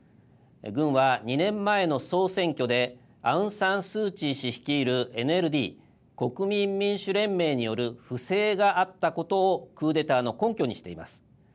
軍は、２年前の総選挙でアウン・サン・スー・チー氏率いるＮＬＤ＝国民民主連盟による不正があったことをクーデターの根拠にしています。